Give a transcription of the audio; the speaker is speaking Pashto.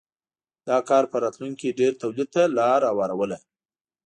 دا کار په راتلونکې کې ډېر تولید ته لار هواروله.